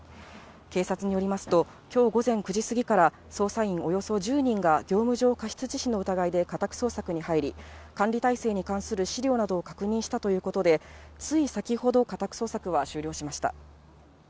警察によりますと、きょう午前９時過ぎから、捜査員およそ１０人が業務上過失致死の疑いで家宅捜索に入り、管理体制に関する資料などを確認したということで、つい先ほど、家宅捜索は終了しました。